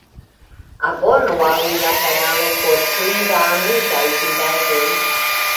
Abonu al mia kanalo por pli da amuzaj vidaĵoj